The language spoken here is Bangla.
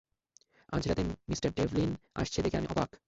আজ রাতে মিঃ ডেভলিন আসছে দেখে আমি অবাক।